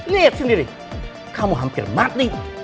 lihat sendiri kamu hampir mati